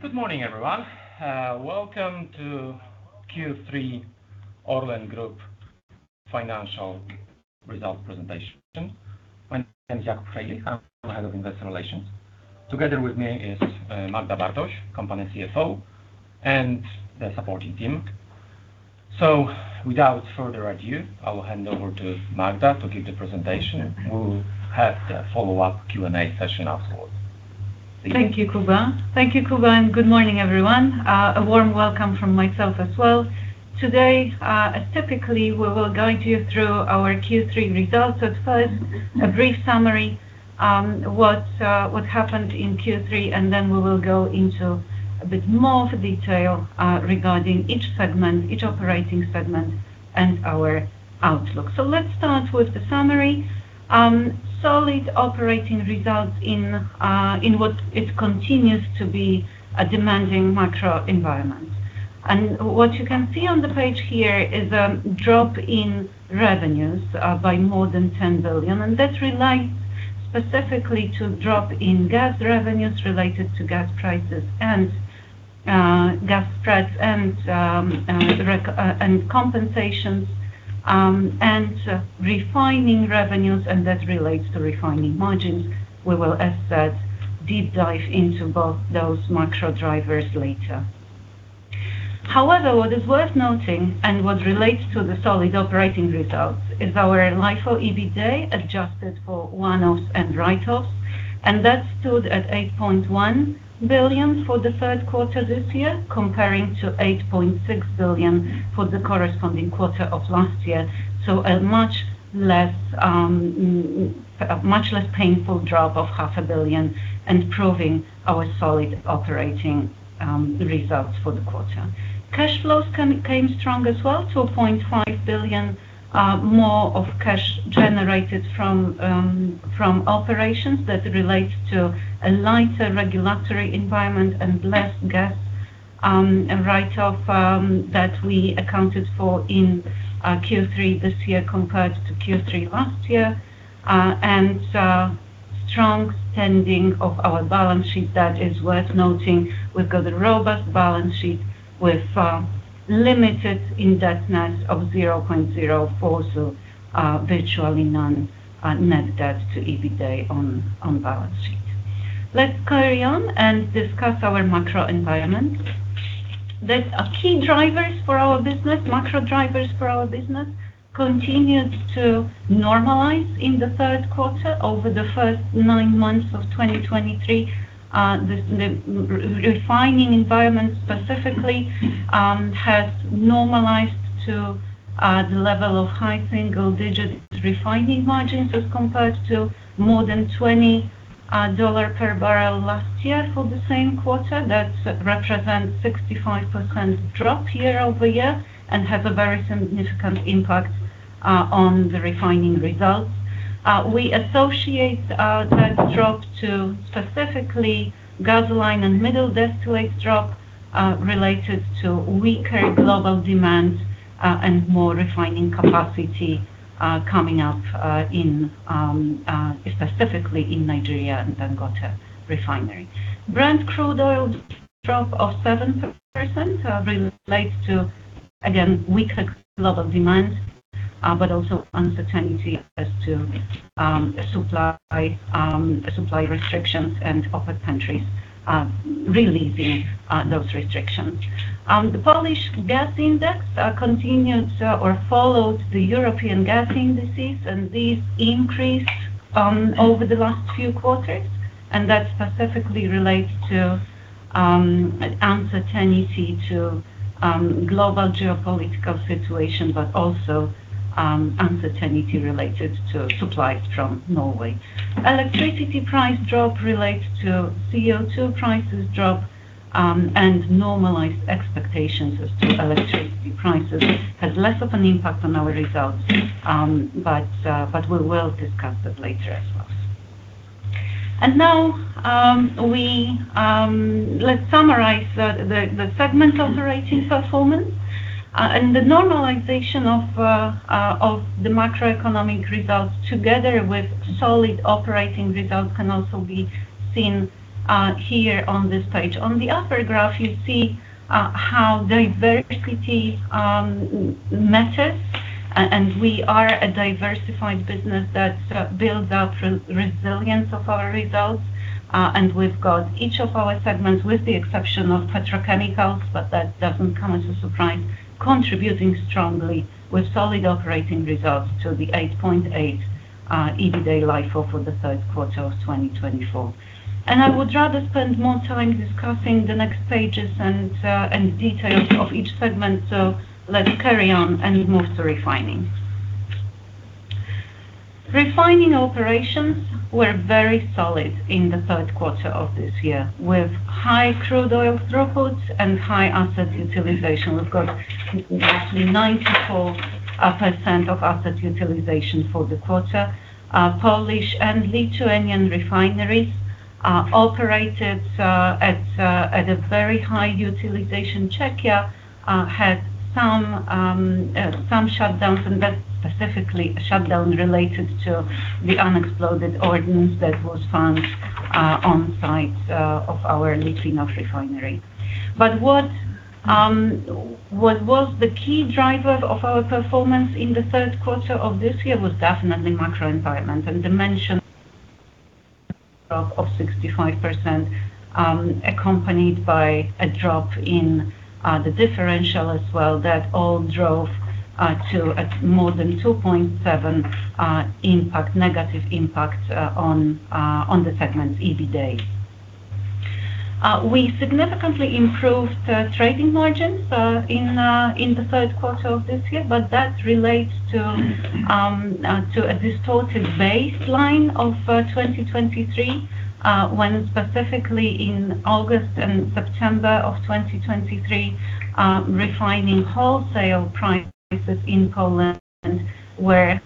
Good morning, everyone. Welcome to Q3 ORLEN Group Financial Result presentation. My name is Jakub Frejlich, I'm the Head of Investor Relations. Together with me is Magda Bartoś, Company CFO, and the supporting team. So without further ado, I will hand over to Magda to give the presentation. We will have the follow-up Q&A session afterwards. Thank you, Jakub. Thank you, Jakub, and good morning, everyone. A warm welcome from myself as well. Today, typically, we will guide you through our Q3 results. At first, a brief summary, what happened in Q3, and then we will go into a bit more detail, regarding each segment, each operating segment, and our outlook. So let's start with the summary. Solid operating results in what it continues to be a demanding macro environment. And what you can see on the page here is a drop in revenues by more than 10 billion, and that relates specifically to drop in gas revenues related to gas prices and gas spreads and compensations, and refining revenues, and that relates to refining margins. We will, as said, deep dive into both those macro drivers later. However, what is worth noting and what relates to the solid operating results is our LIFO EBITDA, adjusted for one-offs and write-offs, and that stood at 8.1 billion for the third quarter this year, comparing to 8.6 billion for the corresponding quarter of last year. So a much less painful drop of 0.5 billion and proving our solid operating results for the quarter. Cash flows came strong as well, 0.5 billion more cash generated from operations. That relates to a lighter regulatory environment and less gas and write-off that we accounted for in Q3 this year, compared to Q3 last year. And strong standing of our balance sheet, that is worth noting. We've got a robust balance sheet with limited indebtedness of 0.04, so virtually none, net debt to EBITDA on balance sheet. Let's carry on and discuss our macro environment. There are key drivers for our business. Macro drivers for our business continued to normalize in the third quarter over the first nine months of 2023. The refining environment specifically has normalized to the level of high single-digit refining margins, as compared to more than $20 per barrel last year for the same quarter. That represents 65% drop year-over-year and has a very significant impact on the refining results. We associate that drop to specifically gasoline and middle distillate drop related to weaker global demand and more refining capacity coming up, specifically in Nigeria and Dangote Refinery. Brent crude oil drop of 7% relates to again weaker global demand but also uncertainty as to supply restrictions and OPEC countries releasing those restrictions. The Polish gas index continued or followed the European gas indices, and these increased over the last few quarters, and that specifically relates to uncertainty to global geopolitical situation but also uncertainty related to supplies from Norway. Electricity price drop relates to CO2 prices drop and normalized expectations as to electricity prices. Has less of an impact on our results, but we will discuss it later as well. And now, let's summarize the segment operating performance. The normalization of the macroeconomic results, together with solid operating results, can also be seen here on this page. On the upper graph, you see how diversity matters. And we are a diversified business that builds up resilience of our results. And we've got each of our segments, with the exception of petrochemical, but that doesn't come as a surprise, contributing strongly with solid operating results to the 8.8 EBITDA LIFO for the third quarter of 2024. I would rather spend more time discussing the next pages and details of each segment. So let's carry on and move to refining. Refining operations were very solid in the third quarter of this year, with high crude oil throughputs and high asset utilization. We've got roughly 94% of asset utilization for the quarter. Polish and Lithuanian refineries operated at a very high utilization. Czechia had some shutdowns, and that's specifically a shutdown related to the unexploded ordnance that was found on site of our Litvinov refinery. But what was the key driver of our performance in the third quarter of this year was definitely macro environment, and dimension of 65%, accompanied by a drop in the differential as well, that all drove to a more than 2.7 impact, negative impact, on the segment's EBITDA. We significantly improved trading margins in the third quarter of this year, but that relates to a distorted baseline of 2023, when specifically in August and September of 2023, refining wholesale prices in Poland were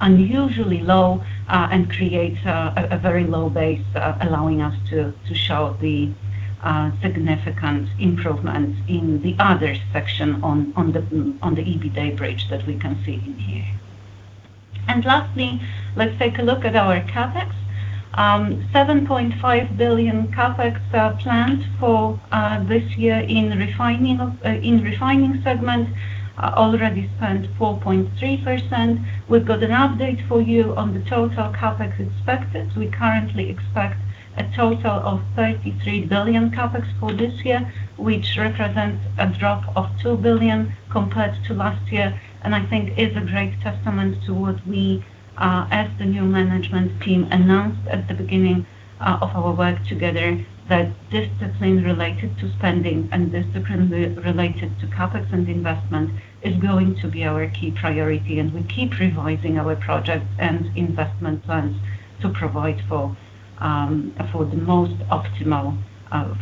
unusually low, and creates a very low base, allowing us to show the significant improvements in the other section on the EBITDA bridge that we can see in here. And lastly, let's take a look at our CapEx. 7.5 billion CapEx planned for this year in refining segment. Already spent 4.3%. We've got an update for you on the total CapEx expected. We currently expect a total of 33 billion CapEx for this year, which represents a drop of 2 billion compared to last year, and I think is a great testament to what we, as the new management team, announced at the beginning, of our work together, that discipline related to spending and discipline related to CapEx and investment is going to be our key priority, and we keep revising our projects and investment plans to provide for, for the most optimal,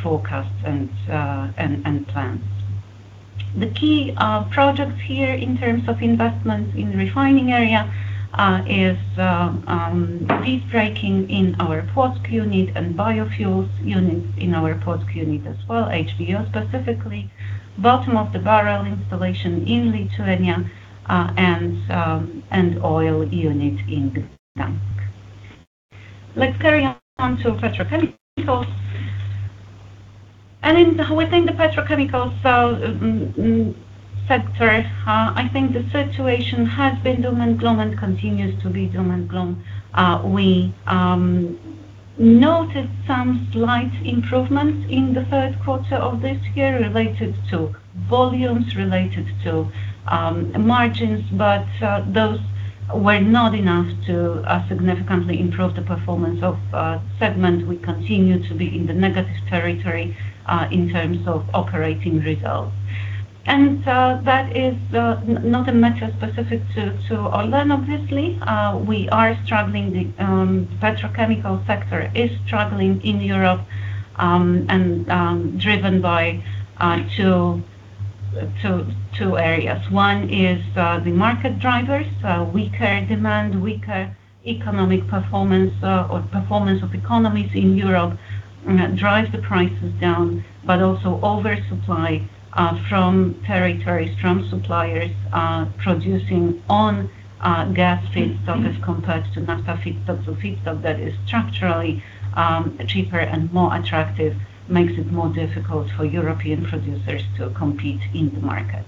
forecast and plans. The key, projects here in terms of investment in refining area, is, debottlenecking in our Płock unit and biofuels units in our Płock unit as well, HVO specifically, bottom-of-the-barrel installation in Lithuania, and oil unit in Gdańsk. Let's carry on to petrochemicals. Within the petrochemicals sector, I think the situation has been doom and gloom, and continues to be doom and gloom. We noticed some slight improvements in the third quarter of this year related to volumes, related to margins, but those were not enough to significantly improve the performance of segment. We continue to be in the negative territory in terms of operating results. That is not a matter specific to ORLEN, obviously. We are struggling, the petrochemical sector is struggling in Europe, and driven by two areas. One is the market drivers, weaker demand, weaker economic performance, or performance of economies in Europe, that drive the prices down, but also oversupply from territories, from suppliers producing on gas feedstock as compared to Naphtha feedstock. So feedstock that is structurally cheaper and more attractive makes it more difficult for European producers to compete in the market.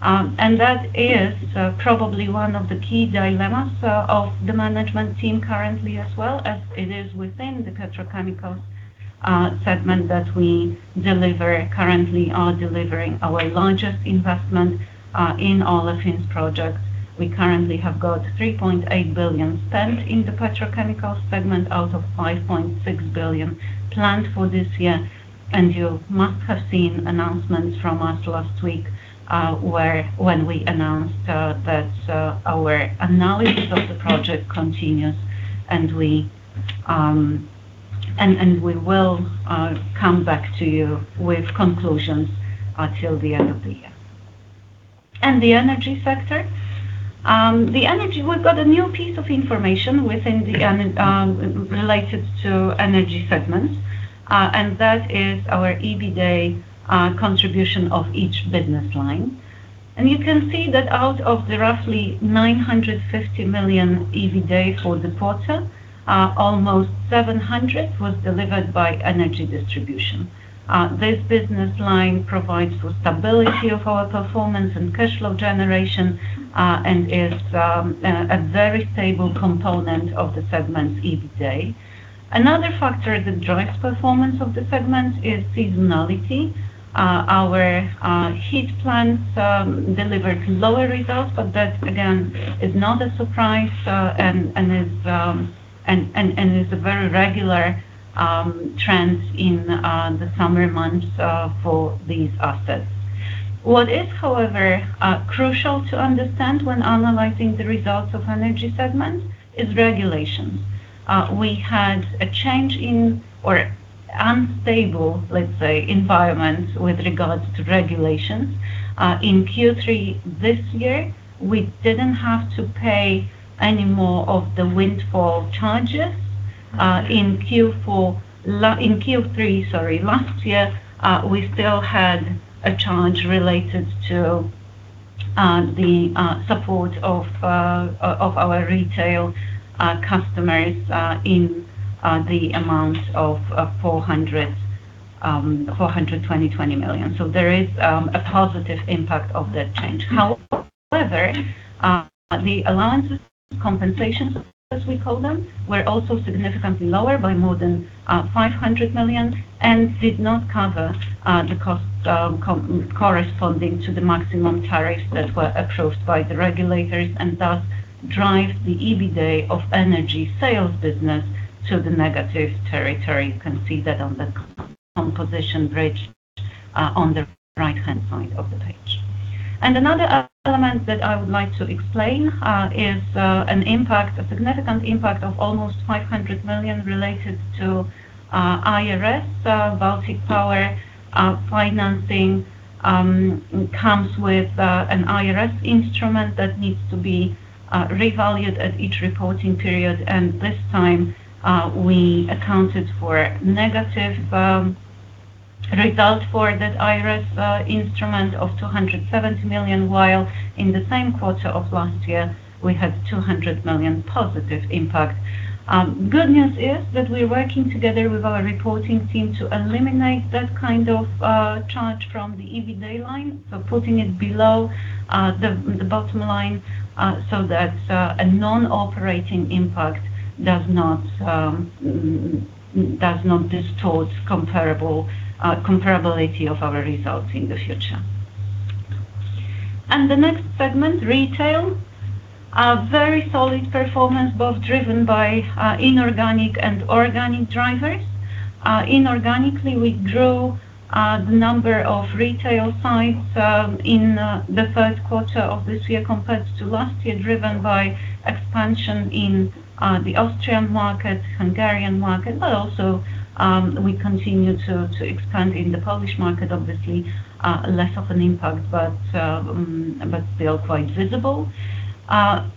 And that is probably one of the key dilemmas of the management team currently, as well as it is within the petrochemical segment, that we currently are delivering our largest investment in Olefins project. We currently have got 3.8 billion spent in the petrochemical segment, out of 5.6 billion planned for this year. You must have seen announcements from us last week, where we announced that our analysis of the project continues, and we will come back to you with conclusions till the end of the year. And the energy sector. We've got a new piece of information related to energy segment, and that is our EBITDA contribution of each business line. And you can see that out of the roughly 950 million EBITDA for the quarter, almost 700 million was delivered by energy distribution. This business line provides the stability of our performance and cash flow generation, and is a very stable component of the segment's EBITDA. Another factor that drives performance of the segment is seasonality. Our heat plants delivered lower results, but that, again, is not a surprise, and is a very regular trend in the summer months for these assets. What is, however, crucial to understand when analyzing the results of energy segment is regulations. We had a change in, or unstable, let's say, environment with regards to regulations. In Q3 this year, we didn't have to pay any more of the windfall charges. In Q3, sorry, last year, we still had a charge related to the support of our retail customers in the amount of 420 million. So there is a positive impact of that change. However, the allowances, compensations, as we call them, were also significantly lower by more than 500 million and did not cover the cost corresponding to the maximum tariffs that were approved by the regulators, and thus drive the EBITDA of energy sales business to the negative territory. You can see that on the composition bridge on the right-hand side of the page. Another element that I would like to explain is an impact, a significant impact of almost 500 million related to IRS, Baltic Power. Financing comes with an IRS instrument that needs to be revalued at each reporting period, and this time, we accounted for negative results for that IRS instrument of 270 million, while in the same quarter of last year, we had 200 million positive impact. Good news is that we're working together with our reporting team to eliminate that kind of charge from the EBITDA line, so putting it below the bottom line, so that a non-operating impact does not distort comparable comparability of our results in the future. And the next segment, retail, a very solid performance, both driven by inorganic and organic drivers. Inorganically, we grew the number of retail sites in the first quarter of this year compared to last year, driven by expansion in the Austrian market, Hungarian market, but also we continue to expand in the Polish market, obviously less of an impact, but still quite visible.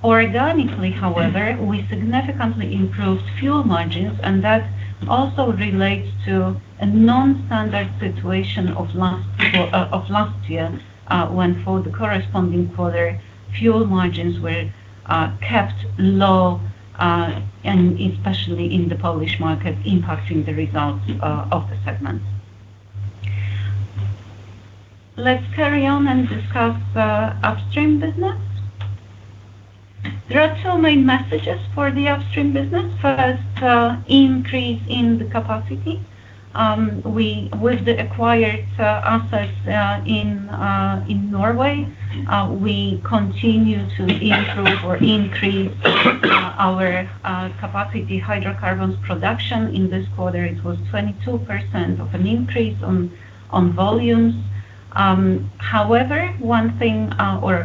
Organically, however, we significantly improved fuel margins, and that also relates to a non-standard situation of last year, when for the corresponding quarter, fuel margins were kept low, and especially in the Polish market, impacting the results of the segment. Let's carry on and discuss upstream business. There are two main messages for the upstream business. First, increase in the capacity. With the acquired assets in Norway, we continue to improve or increase our capacity hydrocarbons production. In this quarter, it was 22% of an increase on volumes. However, one thing or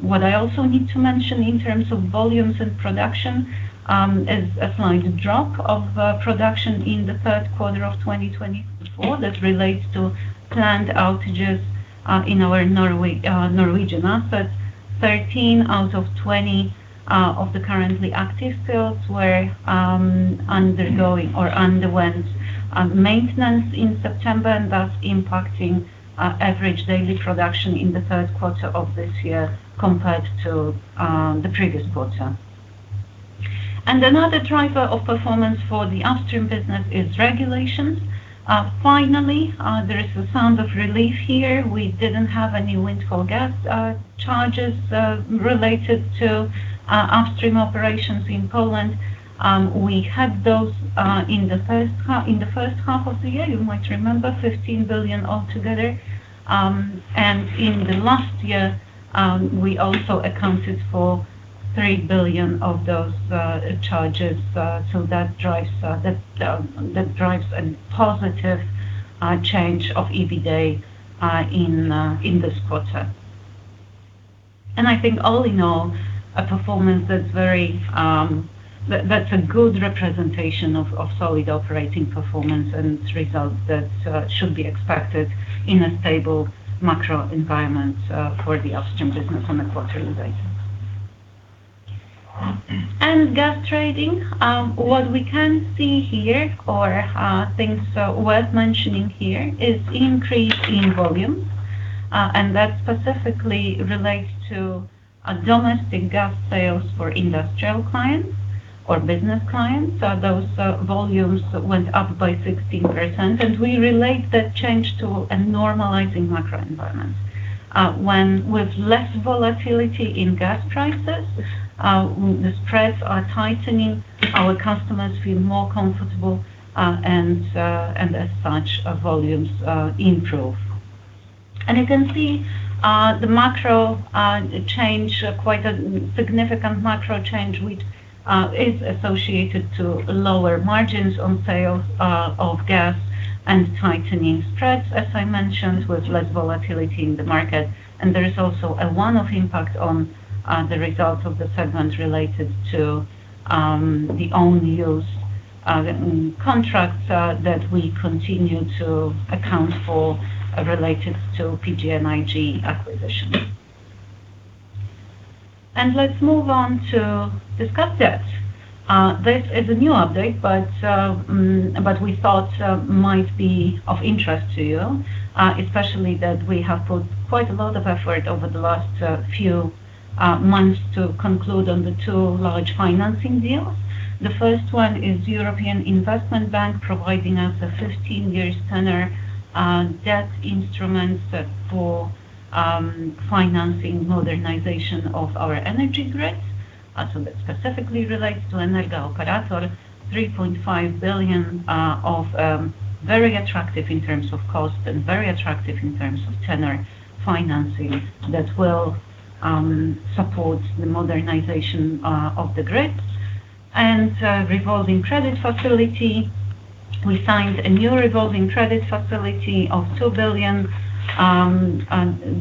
what I also need to mention in terms of volumes and production is a slight drop of production in the third quarter of 2024. That relates to planned outages in our Norwegian assets. 13 out of 20 of the currently active fields were undergoing or underwent maintenance in September, and thus impacting average daily production in the third quarter of this year compared to the previous quarter. Another driver of performance for the upstream business is regulations. Finally, there is a sound of relief here. We didn't have any winter gas charges related to upstream operations in Poland. We had those in the first half, in the first half of the year. You might remember, 15 billion altogether. And in the last year, we also accounted for 3 billion of those charges. So that drives a positive change of EBITDA in this quarter. And I think all in all, a performance that's very good representation of solid operating performance and results that should be expected in a stable macro environment for the upstream business on a quarterly basis. And gas trading, what we can see here, things worth mentioning here is increase in volume, and that specifically relates to a domestic gas sales for industrial clients or business clients. Those volumes went up by 16%, and we relate that change to a normalizing macro environment. When with less volatility in gas prices, the spreads are tightening, our customers feel more comfortable, and as such, volumes improve. And you can see the macro change, quite a significant macro change, which is associated to lower margins on sales of gas and tightening spreads, as I mentioned, with less volatility in the market. There is also a one-off impact on the results of the segment related to the own-use contracts that we continue to account for related to PGNiG acquisition. Let's move on to discuss debt. This is a new update, but we thought might be of interest to you especially that we have put quite a lot of effort over the last few months to conclude on the two large financing deals. The first one is European Investment Bank, providing us a 15-year tenor debt instrument that for financing modernization of our energy grids. So that specifically relates to Energa-Operator, 3.5 billion of very attractive in terms of cost and very attractive in terms of tenor financing that will support the modernization of the grid. Revolving credit facility, we signed a new revolving credit facility of 2 billion,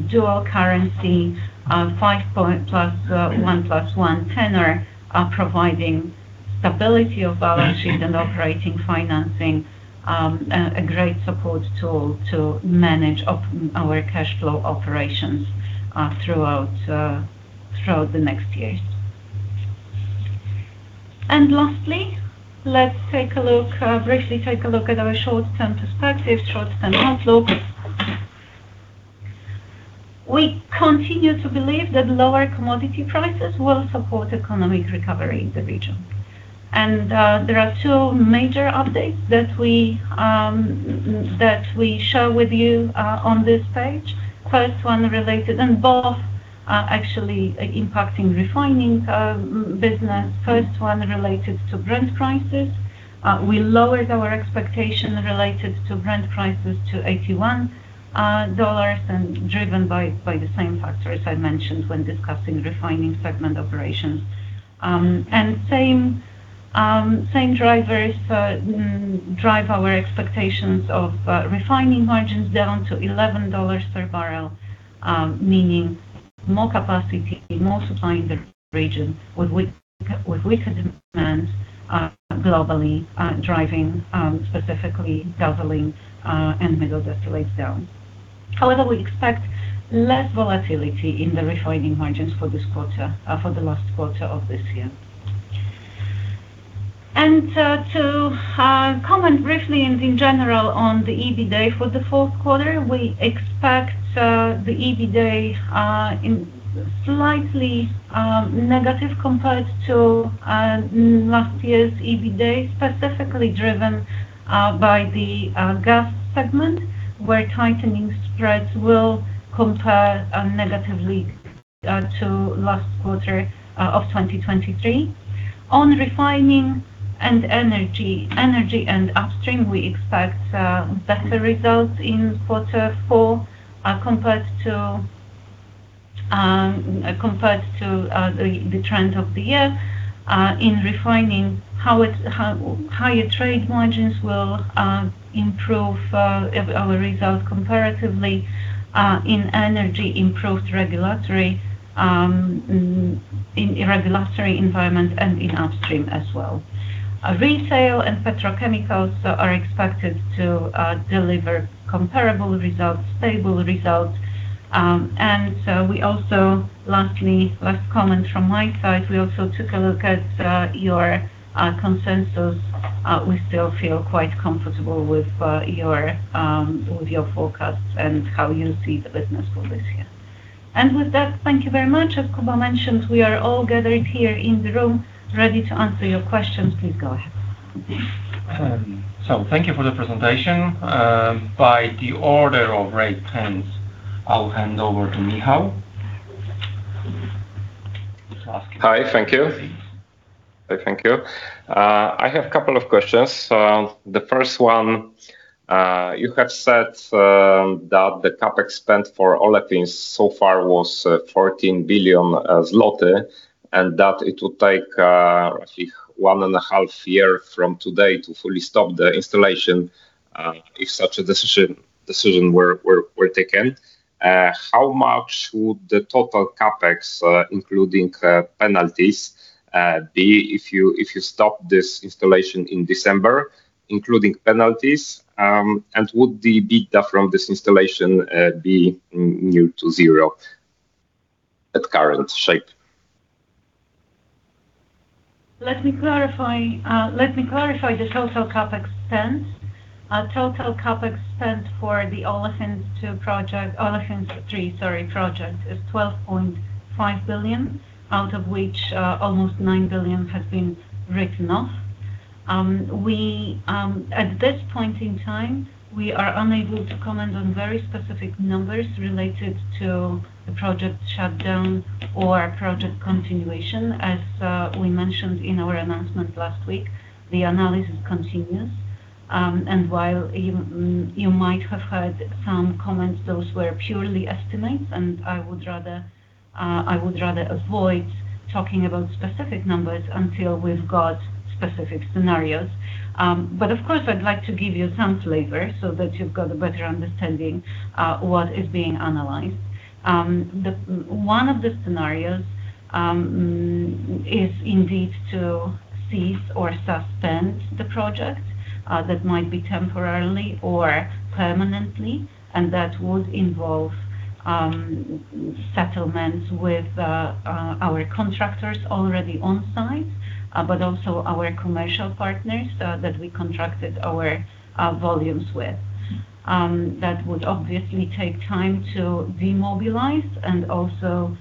dual currency, five plus one plus one tenor, providing stability of balance sheet and operating financing. A great support tool to manage our cash flow operations throughout the next year. Lastly, let's take a look briefly at our short-term perspective, short-term outlook. We continue to believe that lower commodity prices will support economic recovery in the region. There are two major updates that we share with you on this page. First one related, and both are actually impacting refining business. First one related to Brent prices. We lowered our expectation related to Brent prices to $81, and driven by the same factors I mentioned when discussing refining segment operations. And same drivers drive our expectations of refining margins down to $11 per barrel, meaning more capacity, more supply in the region with weaker demand globally, driving specifically gasoline and middle distillates down. However, we expect less volatility in the refining margins for this quarter, for the last quarter of this year. To comment briefly and in general on the EBITDA for the fourth quarter, we expect the EBITDA in slightly negative compared to last year's EBITDA, specifically driven by the gas segment, where tightening spreads will compare negatively to last quarter of 2023. On refining and energy and upstream, we expect better results in quarter four compared to the trend of the year. In refining, higher trade margins will improve our results comparatively, in energy, improved regulatory environment and in upstream as well. Retail and petrochemicals are expected to deliver comparable results, stable results. And, we also, lastly, last comment from my side, we also took a look at your consensus. We still feel quite comfortable with your forecast and how you see the business for this year. And with that, thank you very much. As Jakub mentioned, we are all gathered here in the room, ready to answer your questions. Please, go ahead. Thank you for the presentation. By the order of raised hands, I'll hand over to Michał. Hi, thank you. Thank you. I have a couple of questions. The first one, you have said that the CapEx spent for Olefins so far was 14 billion zloty, and that it would take roughly one and a half years from today to fully stop the installation, if such a decision were taken. How much would the total CapEx, including penalties, be if you stop this installation in December, including penalties? And would the EBITDA from this installation be near to zero at current shape? Let me clarify the total CapEx spent. Total CapEx spent for the Olefins II project, Olefins III, sorry, project, is 12.5 billion, out of which almost 9 billion has been written off. At this point in time, we are unable to comment on very specific numbers related to the project shutdown or project continuation. As we mentioned in our announcement last week, the analysis continues. And while you might have heard some comments, those were purely estimates, and I would rather avoid talking about specific numbers until we've got specific scenarios. But, of course, I'd like to give you some flavor so that you've got a better understanding what is being analyzed. One of the scenarios... is indeed to cease or suspend the project, that might be temporarily or permanently, and that would involve settlements with our contractors already on site, but also our commercial partners that we contracted our volumes with. That would obviously take time to demobilize and also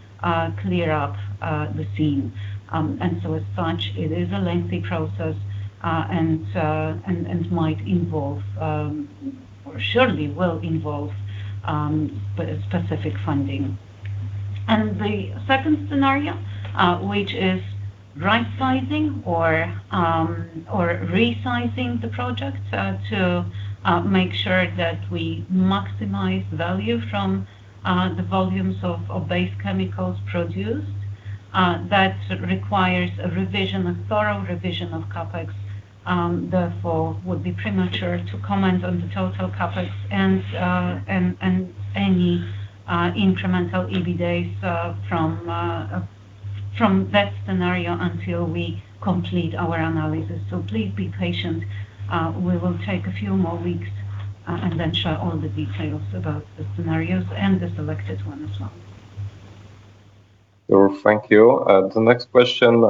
clear up the scene. And so as such, it is a lengthy process, and might involve or surely will involve but specific funding. And the second scenario, which is rightsizing or resizing the project, to make sure that we maximize value from the volumes of base chemicals produced, that requires a revision, a thorough revision of CapEx. Therefore, would be premature to comment on the total CapEx and any incremental EBITDAs from that scenario until we complete our analysis. So please be patient. We will take a few more weeks and then share all the details about the scenarios and the selected one as well. Sure. Thank you. The next question: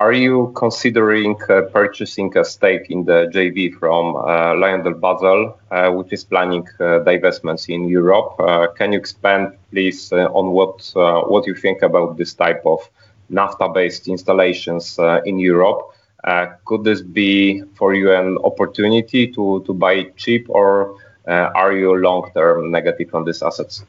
are you considering purchasing a stake in the JV from LyondellBasell, which is planning divestments in Europe? Can you expand, please, on what you think about this type of naphtha-based installations in Europe? Could this be for you an opportunity to buy cheap, or are you long-term negative on these assets?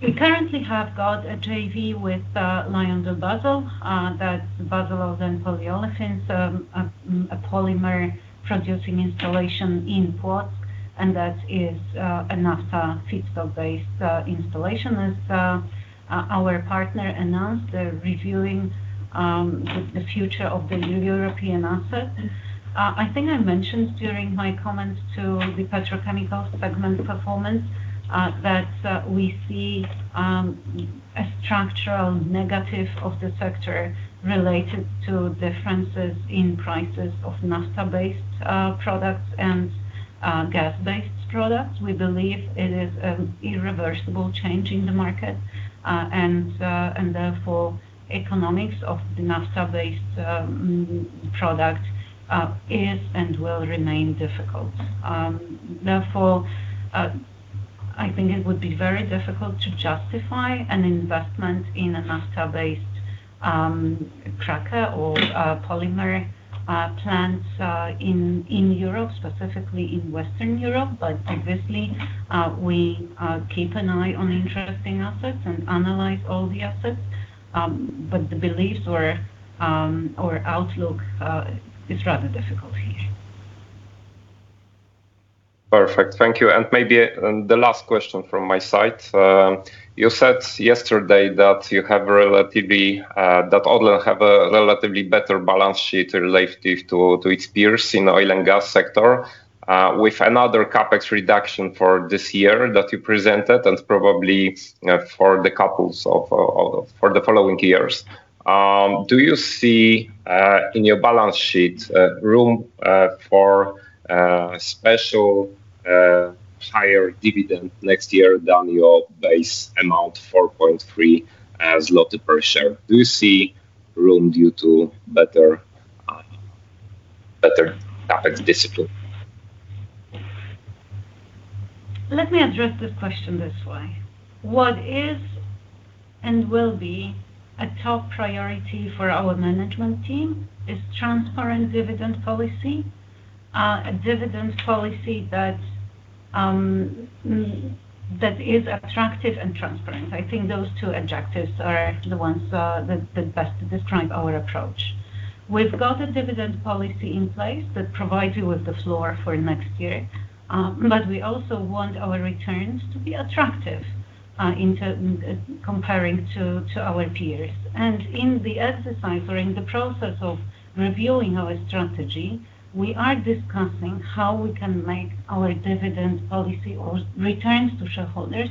We currently have got a JV with LyondellBasell, that Basell Orlen Polyolefins, a polymer-producing installation in Płock, and that is a naphtha feedstock-based installation. As our partner announced, they're reviewing the future of the new European asset. I think I mentioned during my comments to the petrochemical segment performance that we see a structural negative of the sector related to differences in prices of naphtha-based products and gas-based products. We believe it is an irreversible change in the market and therefore, economics of the naphtha-based product is and will remain difficult. Therefore, I think it would be very difficult to justify an investment in a naphtha-based cracker or polymer plants in Europe, specifically in Western Europe. Obviously, we keep an eye on interesting assets and analyze all the assets, but the beliefs or outlook is rather difficult here. Perfect. Thank you. And maybe, the last question from my side. You said yesterday that you have relatively, that ORLEN have a relatively better balance sheet relative to, to its peers in oil and gas sector, with another CapEx reduction for this year that you presented, and probably, for the couples of, of, for the following years. Do you see, in your balance sheet, room, for, special, higher dividend next year than your base amount, 4.3 per share? Do you see room due to better, better CapEx discipline? Let me address this question this way. What is and will be a top priority for our management team is transparent dividend policy. A dividend policy that that is attractive and transparent. I think those two objectives are the ones that that best describe our approach. We've got a dividend policy in place that provides you with the floor for next year, but we also want our returns to be attractive, comparing to our peers. In the exercise or in the process of reviewing our strategy, we are discussing how we can make our dividend policy or returns to shareholders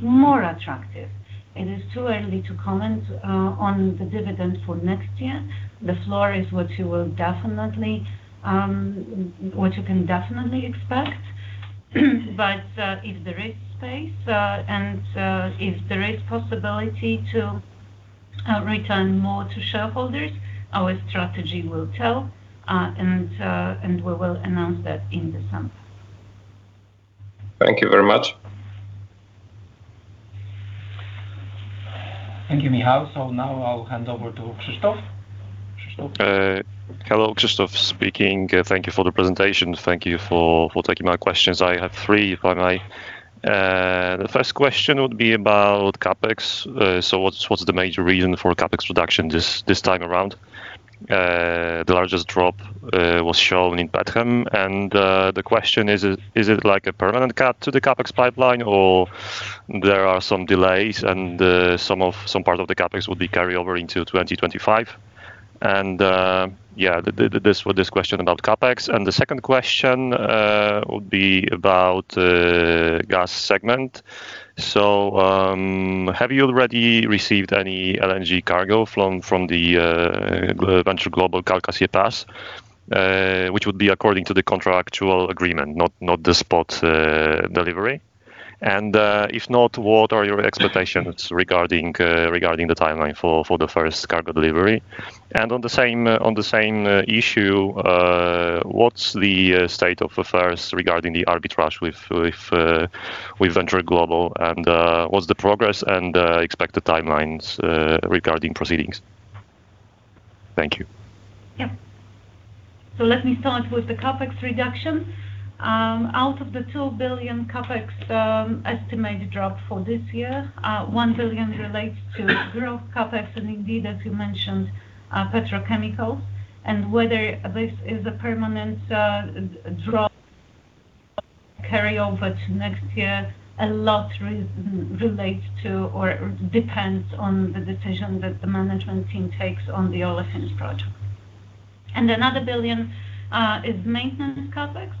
more attractive. It is too early to comment on the dividend for next year. The floor is what you will definitely. What you can definitely expect. If there is space and if there is possibility to return more to shareholders, our strategy will tell and we will announce that in December. Thank you very much. Thank you, Michał. So now I'll hand over to Krzysztof. Krzysztof? Hello, Krzysztof speaking. Thank you for the presentation. Thank you for taking my questions. I have three, if I may. The first question would be about CapEx. So what's the major reason for CapEx reduction this time around? The largest drop was shown in petchem. And the question, is it like a permanent cut to the CapEx pipeline, or there are some delays and some of—some part of the CapEx will be carry over into 2025? And yeah, this one, this question about CapEx. And the second question would be about the gas segment. So have you already received any LNG cargo from Venture Global Calcasieu Pass? Which would be according to the contractual agreement, not the spot delivery. If not, what are your expectations regarding the timeline for the first cargo delivery? On the same issue, what's the state of affairs regarding the arbitrage with Venture Global, and what's the progress and expected timelines regarding proceedings? Thank you. Yeah. So let me start with the CapEx reduction. Out of the 2 billion CapEx, estimated drop for this year, 1 billion relates to growth CapEx, and indeed, as you mentioned, petrochemical. And whether this is a permanent drop carry over to next year, a lot relates to or depends on the decision that the management team takes on the Olefins project. And another 1 billion is maintenance CapEx.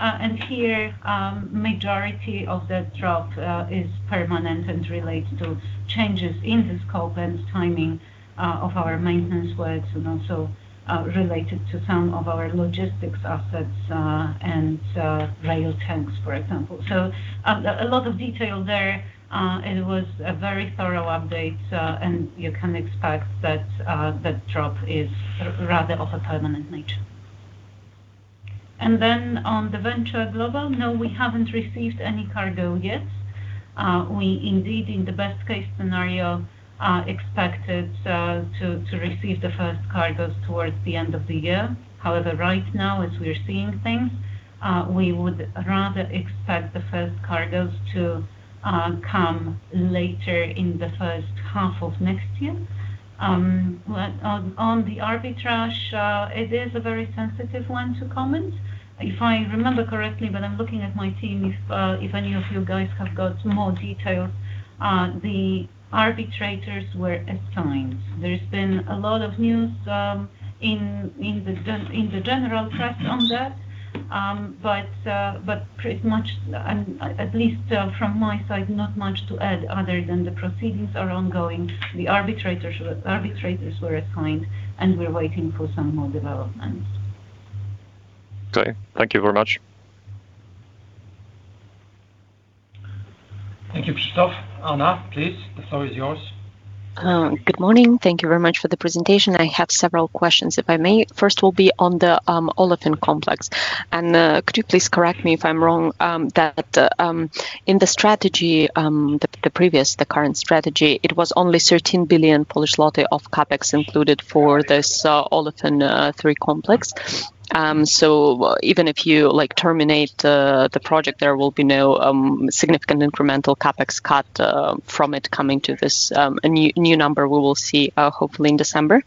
And here, majority of that drop is permanent and relates to changes in the scope and timing of our maintenance works and also related to some of our logistics assets and rail tanks, for example. So, a lot of detail there. It was a very thorough update, and you can expect that that drop is rather of a permanent nature. And then on the Venture Global, no, we haven't received any cargo yet. We indeed, in the best case scenario, are expected to receive the first cargos towards the end of the year. However, right now, as we're seeing things, we would rather expect the first cargos to come later in the first half of next year. But on the arbitrage, it is a very sensitive one to comment. If I remember correctly, but I'm looking at my team, if any of you guys have got more detail, the arbitrators were assigned. There's been a lot of news in the general press on that. But pretty much, at least from my side, not much to add other than the proceedings are ongoing. The arbitrators were assigned, and we're waiting for some more developments. Okay. Thank you very much. Thank you, Krzysztof. Anna, please, the floor is yours. Good morning. Thank you very much for the presentation. I have several questions, if I may. First will be on the olefin complex. Could you please correct me if I'm wrong that in the strategy the previous the current strategy it was only 13 billion of CapEx included for this Olefin III complex. So even if you like terminate the project there will be no significant incremental CapEx cut from it coming to this a new new number we will see hopefully in December.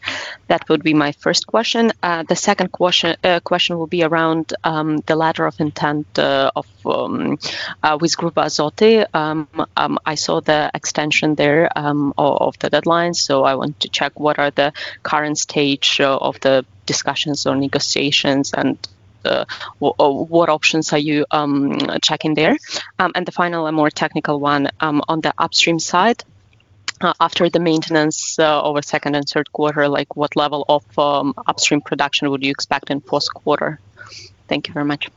That would be my first question. The second question will be around the letter of intent of with Grupa Azoty. I saw the extension there of the deadline, so I want to check what are the current stage of the discussions or negotiations and what options are you checking there? And the final and more technical one on the upstream side. After the maintenance over second and third quarter, like, what level of upstream production would you expect in fourth quarter? Thank you very much.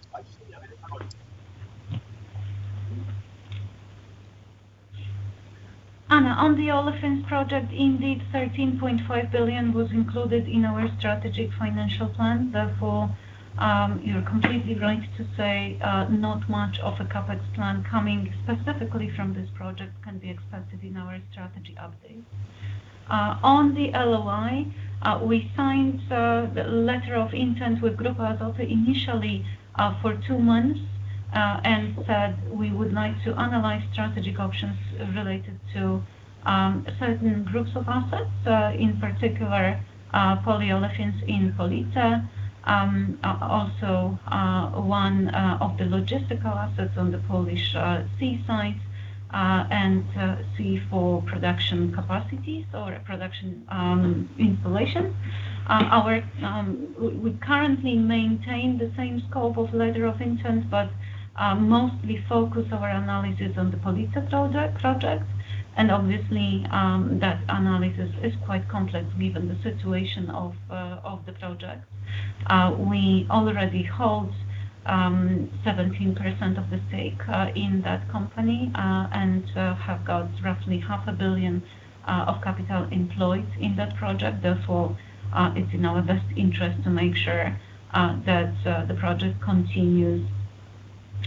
Anna, on the olefins project, indeed, 13.5 billion was included in our strategic financial plan. Therefore, you're completely right to say not much of a CapEx plan coming specifically from this project can be expected in our strategy update. On the LOI, we signed the letter of intent with Grupa Azoty, initially for two months, and said, we would like to analyze strategic options related to certain groups of assets, in particular, polyolefins in Police, also one of the logistical assets on the Polish seaside, and C4 production capacities or production installation. We currently maintain the same scope of letter of intent, but mostly focus our analysis on the Police project. Obviously, that analysis is quite complex, given the situation of the project. We already hold 17% of the stake in that company and have got roughly 500 million of capital employed in that project. Therefore, it's in our best interest to make sure that the project continues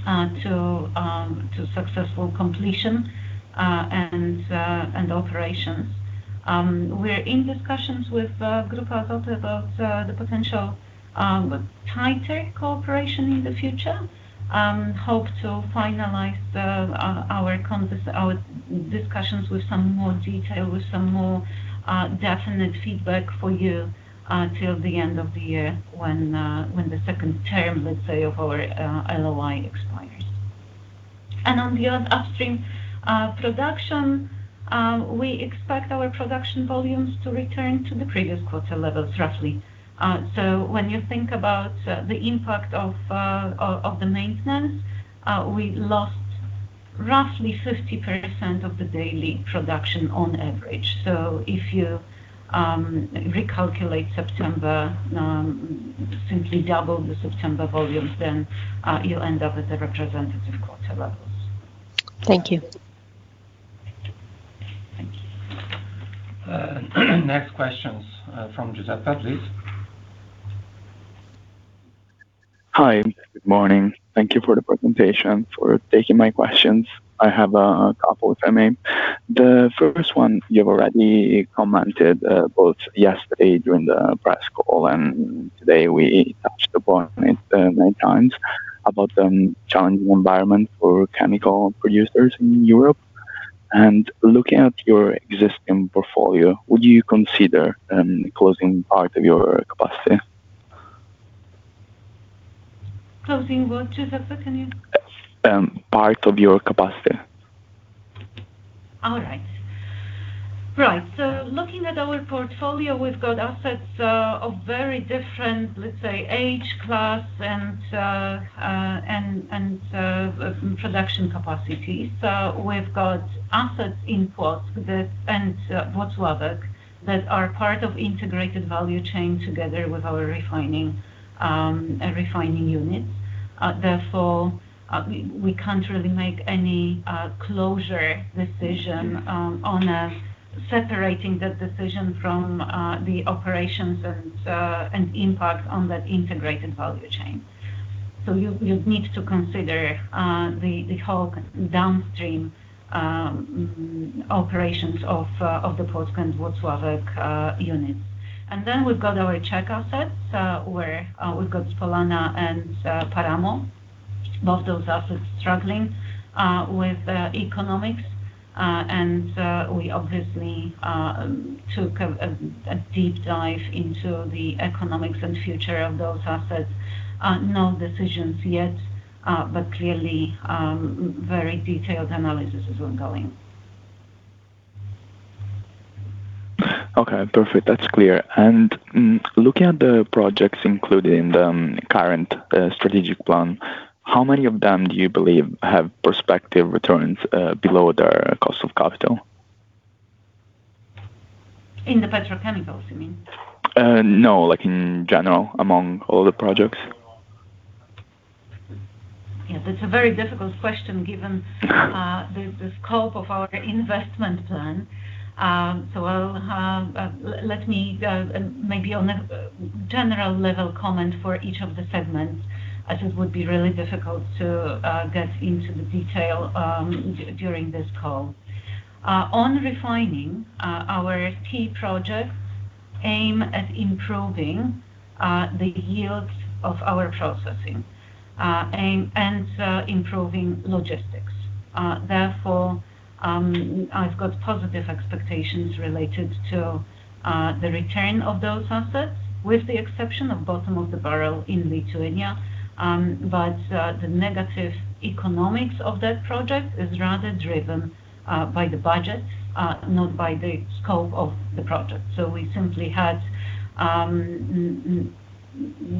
to successful completion and operations. We're in discussions with Grupa Azoty about the potential tighter cooperation in the future. Hope to finalize the our contest, our discussions with some more detail, with some more definite feedback for you till the end of the year when the second term, let's say, of our LOI expires. On the Upstream production, we expect our production volumes to return to the previous quarter levels, roughly. So when you think about the impact of the maintenance, we lost roughly 50% of the daily production on average. So if you recalculate September, simply double the September volumes, then you'll end up with the representative quarter levels. Thank you. Thank you. Next question's from Giuseppe. Please. Hi. Good morning. Thank you for the presentation, for taking my questions. I have a couple of them. The first one, you've already commented both yesterday during the press call and today, we touched upon it many times about the challenging environment for chemical producers in Europe. And looking at your existing portfolio, would you consider closing part of your capacity? Closing what, Giuseppe? Can you- Part of your capacity. All right. Right. So looking at our portfolio, we've got assets of very different, let's say, age class and production capacity. So we've got assets in Plock and Włocławek that are part of integrated value chain together with our refining, refining units. Therefore, we can't really make any closure decision on separating that decision from the operations and impact on that integrated value chain. So you'd need to consider the whole downstream operations of the Plock and Włocławek units. And then we've got our Czech assets, where we've got Spolana and Paramo. Both those assets struggling with economics. And we obviously took a deep dive into the economics and future of those assets. No decisions yet, but clearly, very detailed analysis is ongoing. Okay, perfect. That's clear. Looking at the projects included in the current strategic plan, how many of them do you believe have prospective returns below their cost of capital? In the petrochemicals, you mean? No, like in general, among all the projects. Yeah, that's a very difficult question given the scope of our investment plan. So I'll let me maybe on a general level comment for each of the segments, as it would be really difficult to get into the detail during this call. On refining, our key projects aim at improving the yields of our processing and improving logistics. Therefore, I've got positive expectations related to the return of those assets, with the exception of bottom of the barrel in Lithuania. But the negative economics of that project is rather driven by the budget, not by the scope of the project. So we simply had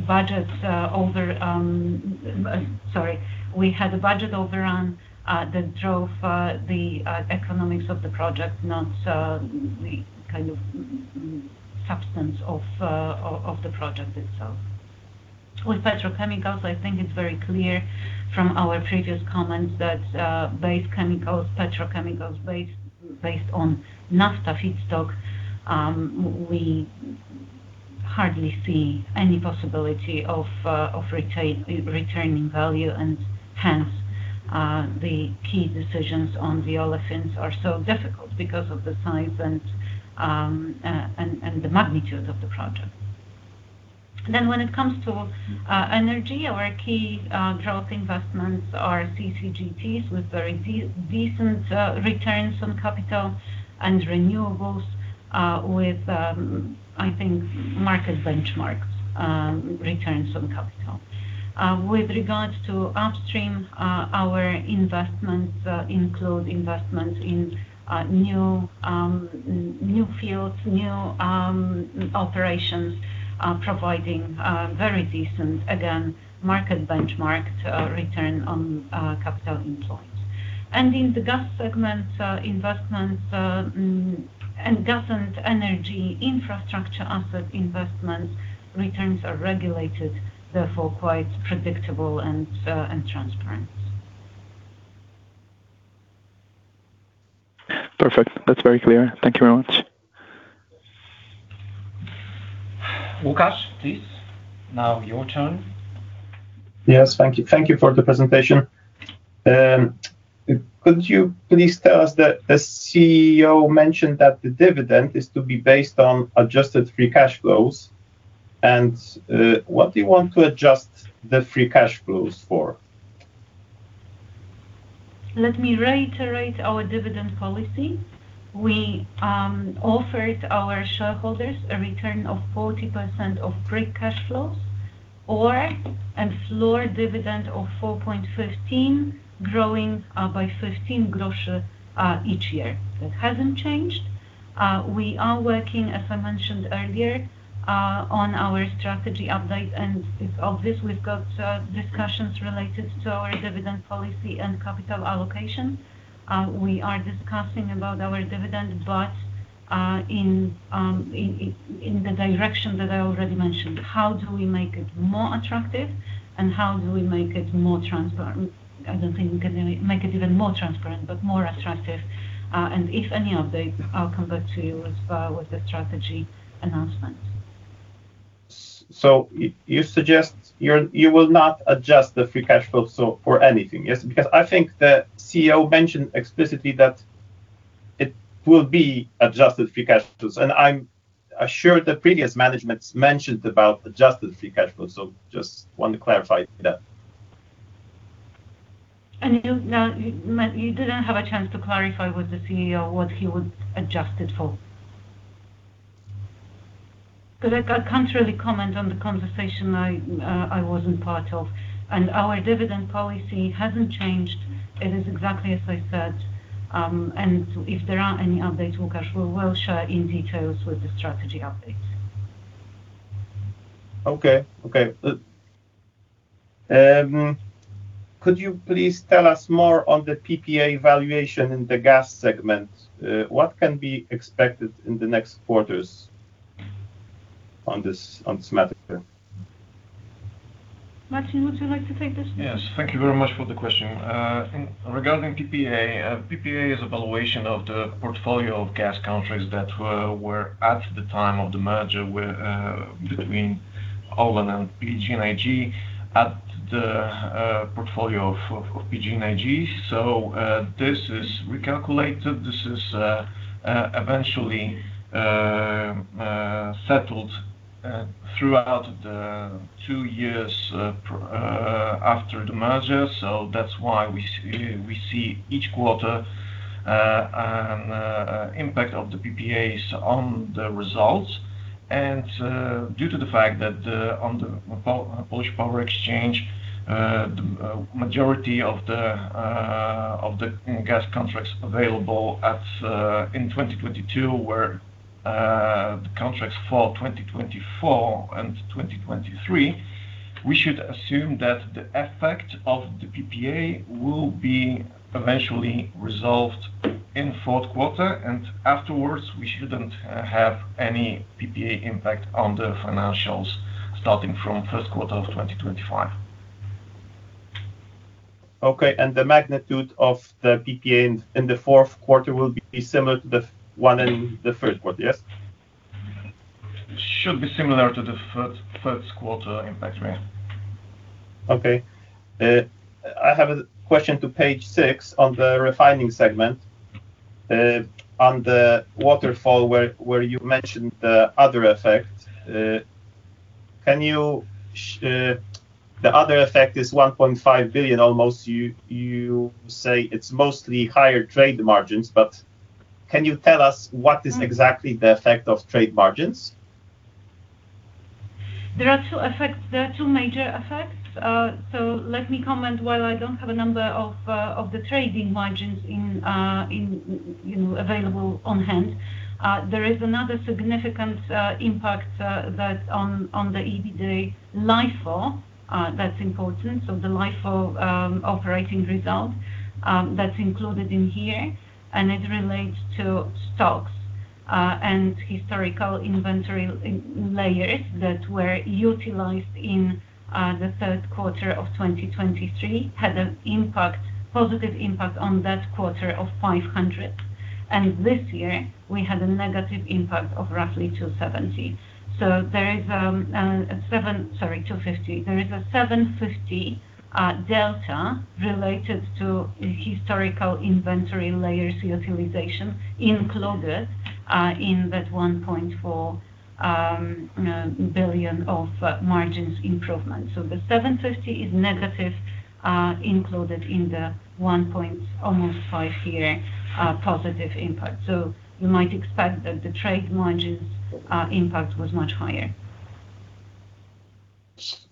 budgets over... Sorry. We had a budget overrun that drove the economics of the project, not the kind of substance of the project itself. With petrochemicals, I think it's very clear from our previous comments that base chemicals, petrochemicals based on Naphtha feedstock, we hardly see any possibility of returning value, and hence the key decisions on the Olefins are so difficult because of the size and the magnitude of the project. Then when it comes to energy, our key downstream investments are CCGTs, with very decent returns on capital and renewables with I think market benchmarks returns on capital. With regards to upstream, our investments include investments in new fields, new operations, providing very decent, again, market benchmarked return on capital employed. And in the gas segment, investments and gas and energy infrastructure asset investments, returns are regulated, therefore, quite predictable and transparent. Perfect. That's very clear. Thank you very much. Łukasz, please, now your turn. Yes, thank you. Thank you for the presentation. Could you please tell us, the CEO mentioned that the dividend is to be based on adjusted free cash flows, and what do you want to adjust the free cash flows for? Let me reiterate our dividend policy. We offered our shareholders a return of 40% of free cash flows or a floor dividend of 4.15, growing by 0.15 each year. That hasn't changed. We are working, as I mentioned earlier, on our strategy update, and of this, we've got discussions related to our dividend policy and capital allocation. We are discussing about our dividend, but in the direction that I already mentioned. How do we make it more attractive, and how do we make it more transparent? I don't think we can make it even more transparent, but more attractive. And if any update, I'll come back to you with the strategy announcement. So you suggest you will not adjust the free cash flow for anything, yes? Because I think the CEO mentioned explicitly that it will be adjusted free cash flows, and I'm assured the previous managements mentioned about adjusted free cash flow. So just want to clarify that. And you didn't have a chance to clarify with the CEO what he would adjust it for? Because I can't really comment on the conversation I wasn't part of. And our dividend policy hasn't changed. It is exactly as I said, and if there are any updates, Łukasz, we will share in details with the strategy update. Could you please tell us more on the PPA valuation in the gas segment? What can be expected in the next quarters on this matter? Maciej, would you like to take this? Yes. Thank you very much for the question. Regarding PPA, PPA is a valuation of the portfolio of gas contracts that were at the time of the merger with between ORLEN and PGNiG at the portfolio of PGNiG. So, this is recalculated. This is eventually settled throughout the two years after the merger. So that's why we see, we see each quarter impact of the PPAs on the results. Due to the fact that on the Polish power exchange, the majority of the gas contracts available in 2022 were the contracts for 2024 and 2023, we should assume that the effect of the PPA will be eventually resolved in fourth quarter, and afterwards, we shouldn't have any PPA impact on the financials starting from first quarter of 2025. Okay, and the magnitude of the PPA in the fourth quarter will be similar to the one in the third quarter, yes? Should be similar to the third, third quarter impact, yeah. Okay. I have a question to page six on the refining segment. On the waterfall, where you mentioned the other effect, can you... The other effect is almost 1.5 billion. You say it's mostly higher trade margins, but can you tell us what is exactly the effect of trade margins? There are two effects. There are two major effects. So let me comment, while I don't have a number of, of the trading margins in, in, you know, available on hand, there is another significant, impact, that on, on the EBITDA LIFO, that's important. So the LIFO operating result, that's included in here, and it relates to stocks, and historical inventory layers that were utilized in the third quarter of 2023, had an impact, positive impact on that quarter of 500. And this year, we had a negative impact of roughly 270. So there is a seven. Sorry, 250. There is a 750 delta related to historical inventory layers utilization included in that 1.4 billion of margins improvement. The 750 is negative, included in the one. almost five here, positive impact. You might expect that the trade margins impact was much higher.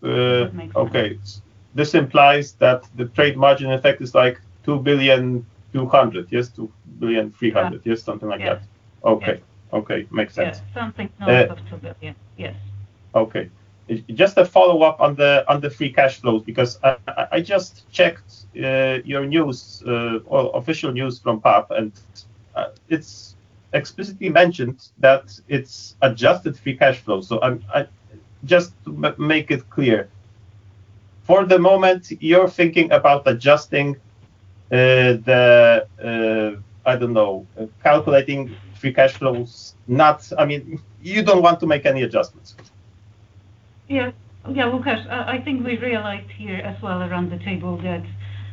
Uh, okay. If that makes sense. This implies that the trade margin effect is like 2.2 billion, yes? 2.3 billion, yes, something like that. Yeah. Okay. Okay. Makes sense. Yes, something around about 2 billion. Yes. Okay. Just a follow-up on the, on the free cash flows, because I just checked your news or official news from PAP, and it's explicitly mentioned that it's adjusted free cash flow. So, I'm just make it clear for the moment, you're thinking about adjusting the, I don't know, calculating free cash flows, not—I mean, you don't want to make any adjustments? Yeah. Yeah, Łukasz, I think we realized here as well around the table that,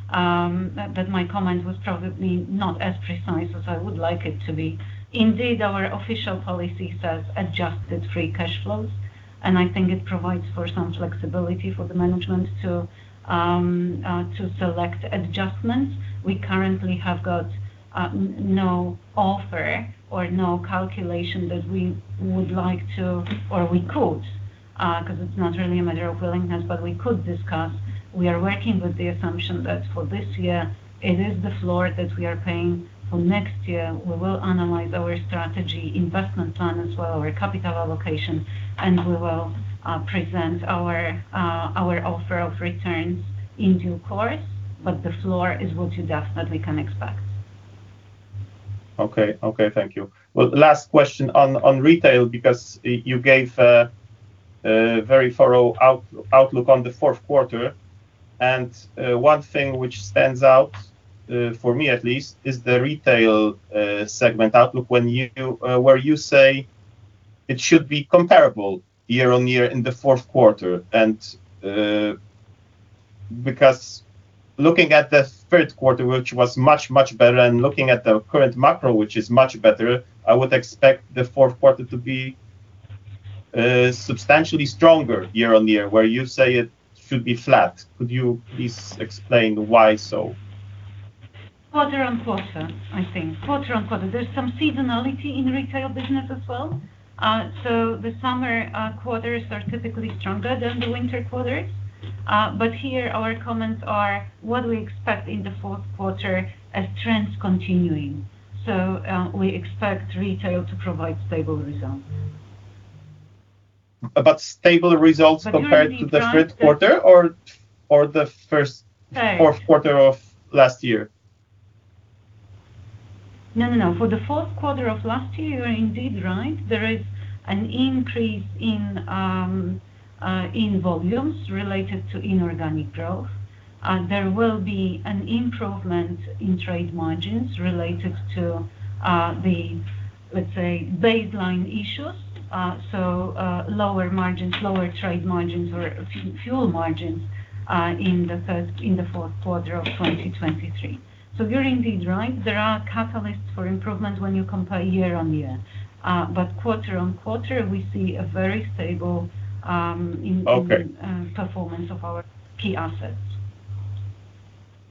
that my comment was probably not as precise as I would like it to be. Indeed, our official policy says adjusted free cash flows, and I think it provides for some flexibility for the management to, to select adjustments. We currently have got, no offer or no calculation that we would like to, or we could, because it's not really a matter of willingness, but we could discuss. We are working with the assumption that for this year, it is the floor that we are paying. For next year, we will analyze our strategy investment plan as well, our capital allocation, and we will, present our, our offer of returns in due course, but the floor is what you definitely can expect. Okay. Okay, thank you. Well, the last question on retail, because you gave a very thorough outlook on the fourth quarter. And one thing which stands out for me at least is the retail segment outlook, where you say it should be comparable year-on-year in the fourth quarter. And because looking at the third quarter, which was much, much better, and looking at the current macro, which is much better, I would expect the fourth quarter to be substantially stronger year-on-year, where you say it should be flat. Could you please explain why so? Quarter-on-quarter, I think. Quarter-on-quarter. There's some seasonality in retail business as well. So the summer quarters are typically stronger than the winter quarters. But here, our comments are, what do we expect in the fourth quarter as trends continuing? So we expect retail to provide stable results. But stable results- You are indeed right. .Compared to the third quarter or the first- Yeah Fourth quarter of last year? No, no, no. For the fourth quarter of last year, you are indeed right. There is an increase in volumes related to inorganic growth. There will be an improvement in trade margins related to the, let's say, baseline issues. Lower margins, lower trade margins or fuel margins in the fourth quarter of 2023. So you're indeed right. There are catalysts for improvement when you compare year-on-year. But quarter-on-quarter, we see a very stable in- Okay Performance of our key assets.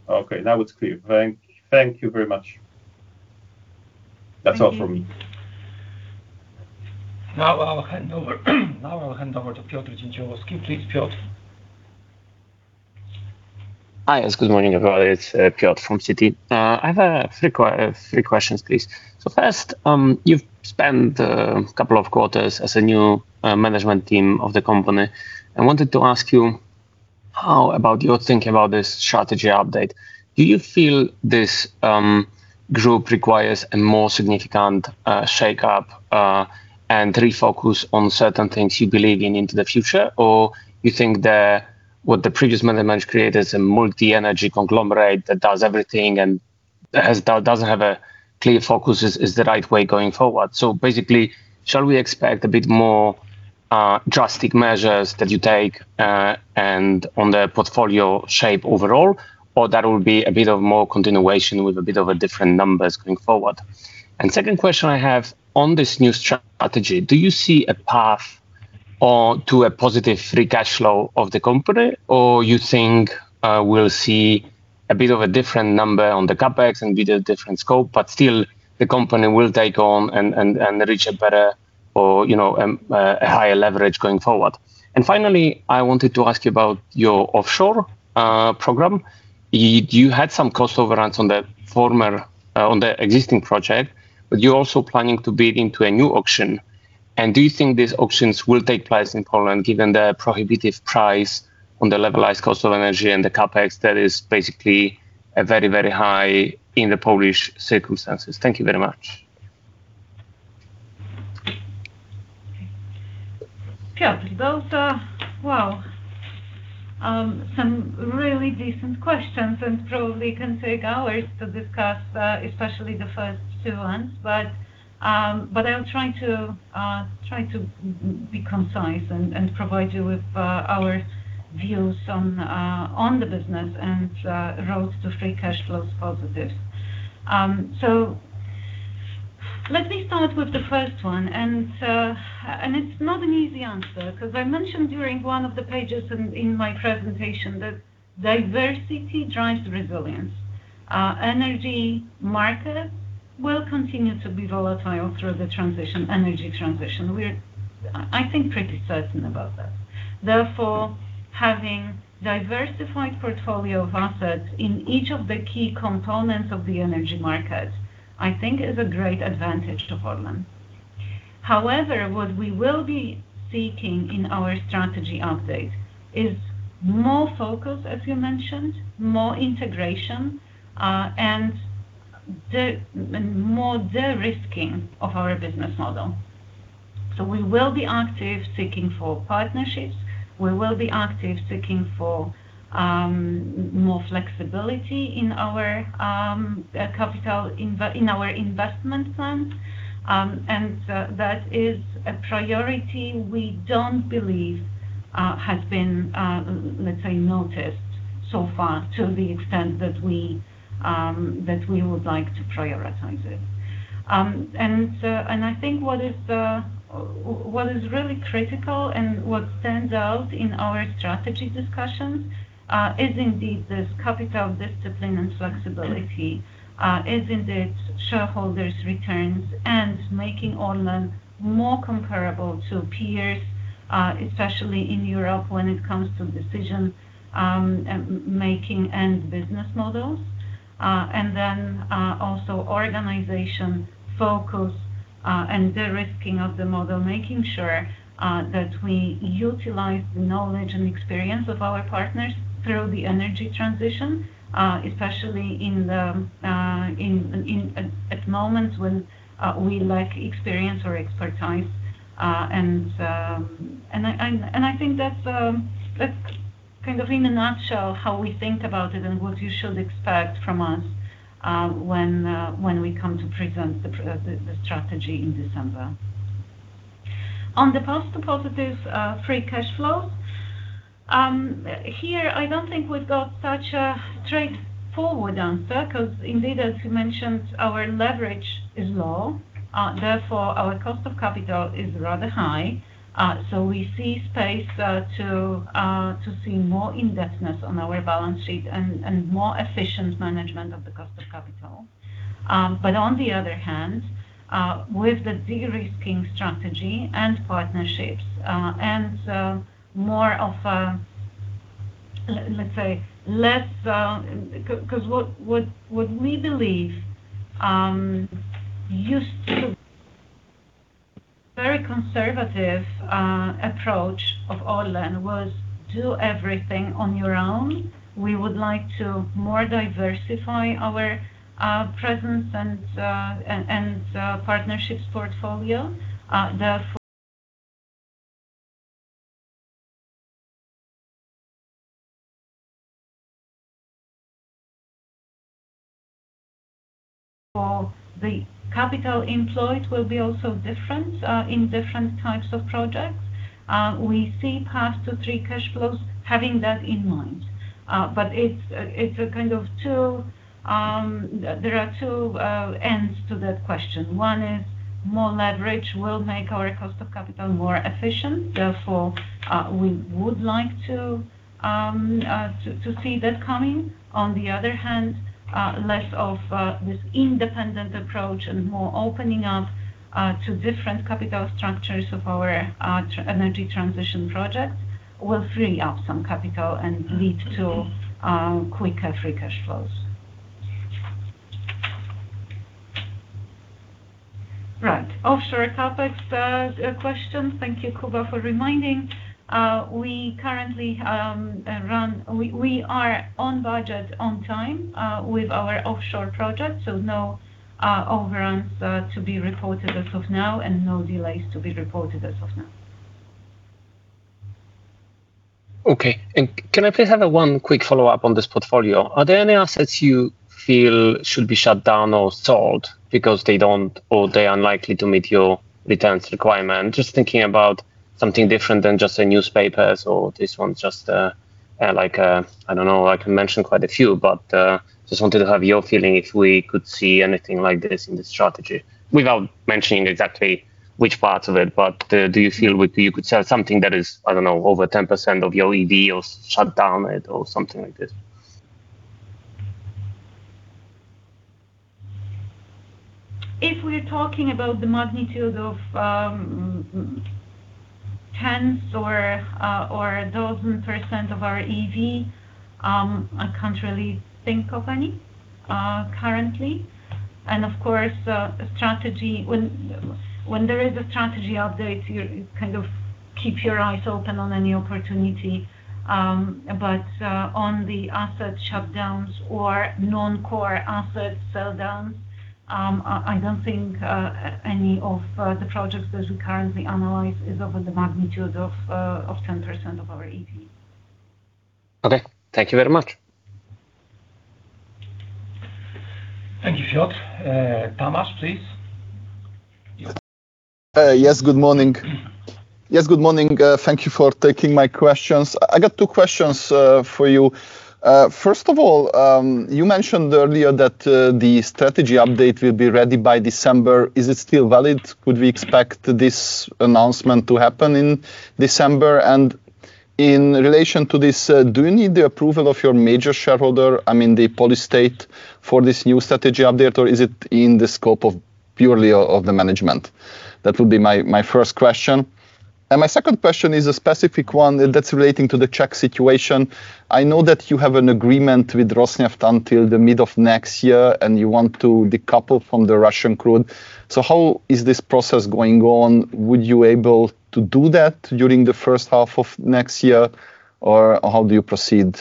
Okay, now it's clear. Thank you very much. Thank you. That's all from me. Now I'll hand over to Piotr Dzięciołowski. Please, Piotr. Hi, good morning, everybody. It's Piotr from Citi. I have three questions, please. So first, you've spent a couple of quarters as a new management team of the company. I wanted to ask you, how about your thinking about this strategy update? Do you feel this group requires a more significant shakeup and refocus on certain things you believe in, into the future? Or you think that what the previous management created is a multi-energy conglomerate that does everything and doesn't have a clear focus is the right way going forward? So basically, shall we expect a bit more drastic measures that you take and on the portfolio shape overall, or that will be a bit of more continuation with a bit of a different numbers going forward? Second question I have on this new strategy, do you see a path to a positive free cash flow of the company, or you think we'll see a bit of a different number on the CapEx and bit of different scope, but still the company will take on and reach a better or, you know, a higher leverage going forward? And finally, I wanted to ask you about your offshore program. You had some cost overruns on the former on the existing project, but you're also planning to bid into a new auction. And do you think these auctions will take place in Poland, given the prohibitive price on the levelized cost of energy and the CapEx that is basically a very, very high in the Polish circumstances? Thank you very much. Piotr, those are... Wow! Some really decent questions, and probably can take hours to discuss, especially the first two ones. But I'll try to be concise and provide you with our views on the business and roads to free cash flows positives. So let me start with the first one, and it's not an easy answer, 'cause I mentioned during one of the pages in my presentation that diversity drives resilience. Energy market will continue to be volatile through the transition, energy transition. We're, I think, pretty certain about that. Therefore, having diversified portfolio of assets in each of the key components of the energy market, I think is a great advantage to Poland. However, what we will be seeking in our strategy update is more focus, as you mentioned, more integration, and the more de-risking of our business model. So we will be active seeking for partnerships. We will be active seeking for more flexibility in our capital investment in our investment plan. And that is a priority we don't believe has been, let's say, noticed so far to the extent that we that we would like to prioritize it. And and I think what is what is really critical and what stands out in our strategy discussions is indeed this capital discipline and flexibility is indeed shareholders' returns and making ORLEN more comparable to peers, especially in Europe, when it comes to decision making and business models. And then, also organization focus, and de-risking of the model, making sure that we utilize the knowledge and experience of our partners through the energy transition, especially in the, in, at, at moments when we lack experience or expertise. And I think that's kind of in a nutshell, how we think about it and what you should expect from us, when we come to present the strategy in December. On the path to positive free cash flows, here, I don't think we've got such a straightforward answer, 'cause indeed, as you mentioned, our leverage is low, therefore, our cost of capital is rather high. So we see space to see more indebtedness on our balance sheet and more efficient management of the cost of capital. But on the other hand, with the de-risking strategy and partnerships, and more of a, let's say, less... 'Cause what we believe used to very conservative approach of ORLEN was do everything on your own. We would like to more diversify our presence and partnerships portfolio. Therefore, the capital employed will be also different in different types of projects. We see path to three cash flows having that in mind. But it's a kind of two. There are two ends to that question. One is, more leverage will make our cost of capital more efficient, therefore, we would like to see that coming. On the other hand, less of this independent approach and more opening up to different capital structures of our energy transition projects, will free up some capital and lead to quicker free cash flows. Right. Offshore CapEx question. Thank you, Jakub, for reminding. We currently are on budget on time with our offshore projects, so no overruns to be reported as of now, and no delays to be reported as of now. Okay. And can I please have a one quick follow-up on this portfolio? Are there any assets you feel should be shut down or sold because they don't or they are unlikely to meet your returns requirement? Just thinking about something different than just the newspapers or this one, just, like, I don't know, I can mention quite a few, but, just wanted to have your feeling if we could see anything like this in this strategy. Without mentioning exactly which parts of it, but, do you feel you could sell something that is, I don't know, over 10% of your EV or shut down it or something like this? If we're talking about the magnitude of tens or 12% of our EV, I can't really think of any currently. And, of course, strategy when there is a strategy update, you kind of keep your eyes open on any opportunity. But on the asset shutdowns or non-core asset sell downs, I don't think any of the projects that we currently analyze is of the magnitude of 10% of our EV. Okay. Thank you very much. Thank you, Piotr. Tamas, please. Yes, good morning. Yes, good morning. Thank you for taking my questions. I got two questions for you. First of all, you mentioned earlier that the strategy update will be ready by December. Is it still valid? Could we expect this announcement to happen in December? And in relation to this, do you need the approval of your major shareholder, I mean, the Polish state, for this new strategy update, or is it in the scope of purely of the management? That would be my first question. And my second question is a specific one that's relating to the Czech situation. I know that you have an agreement with Rosneft until the mid of next year, and you want to decouple from the Russian crude. So how is this process going on? Would you able to do that during the first half of next year, or how do you proceed,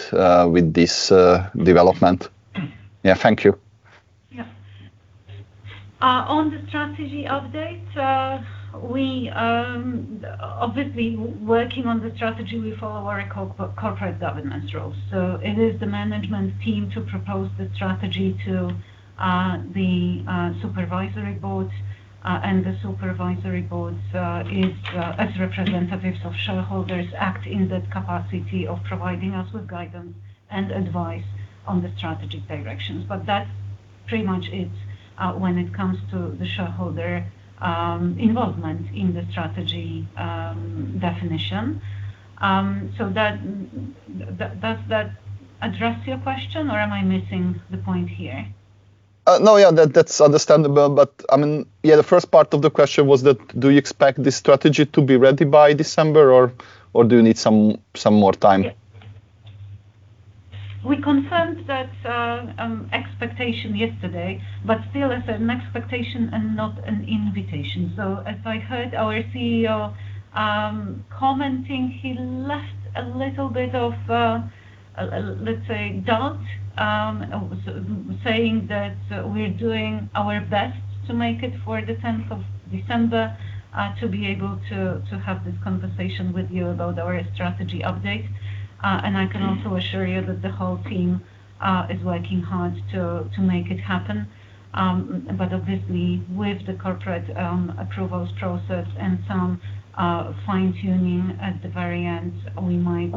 with this, development? Yeah, thank you. Yeah, on the strategy update, we obviously working on the strategy, we follow our corporate governance rules. So it is the management team to propose the strategy to the supervisory board, and the supervisory board is, as representatives of shareholders, act in that capacity of providing us with guidance and advice on the strategic directions. But that pretty much it, when it comes to the shareholder involvement in the strategy definition. So does that address your question, or am I missing the point here? No, yeah, that's understandable. But I mean, yeah, the first part of the question was that, do you expect this strategy to be ready by December or do you need some more time? We confirmed that expectation yesterday, but still it's an expectation and not an invitation. So as I heard our CEO commenting, he left a little bit of, let's say, doubt, saying that we're doing our best to make it for the 10th of December to be able to have this conversation with you about our strategy update. And I can also assure you that the whole team is working hard to make it happen. But obviously, with the corporate approvals process and some fine-tuning at the very end, we might